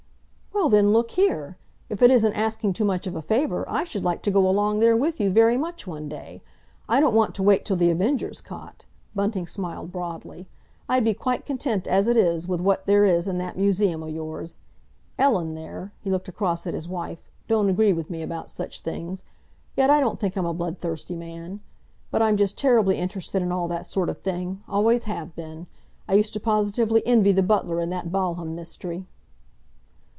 "Well, then, look here! If it isn't asking too much of a favour, I should like to go along there with you very much one day. I don't want to wait till The Avenger's caught"—Bunting smiled broadly. "I'd be quite content as it is with what there is in that museum o' yours. Ellen, there,"—he looked across at his wife—"don't agree with me about such things. Yet I don't think I'm a bloodthirsty man! But I'm just terribly interested in all that sort of thing—always have been. I used to positively envy the butler in that Balham Mystery!"